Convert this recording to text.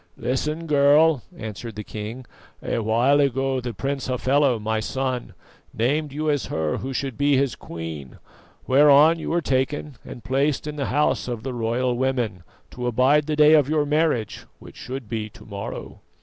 "Listen, girl," answered the king. "A while ago the Prince Hafela, my son, named you as her who should be his queen, whereon you were taken and placed in the House of the Royal Women, to abide the day of your marriage, which should be to morrow."